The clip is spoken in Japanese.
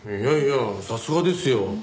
いやいやさすがですよ。